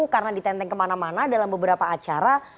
karena ditenteng kemana mana dalam beberapa acara